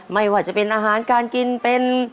ไม่ว่าจะเป็นอาหารการกินเป็น